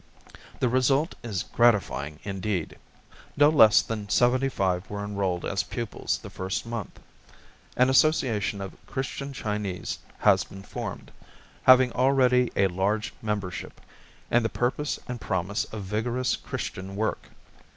The result is gratifying indeed. No less than seventy five were enrolled as pupils the first month. An Association of Christian Chinese has been formed, having already a large membership, and the purpose and promise of vigorous Christian work.